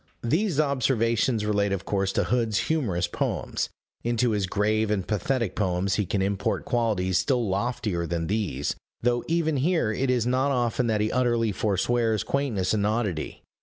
These observations relate of course to Hood's humorous poems: into his grave and pathetic poems he can import qualities still loftier than these though even here it is not often that he utterly forswears quaintness and oddity.